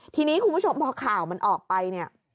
ทีนี้คุณผู้ชมพอข่าวมันออกไปเนี่ย